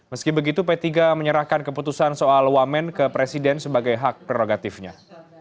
meski begitu p tiga menyerahkan keputusan soal wamen ke presiden sebagai hak prerogatifnya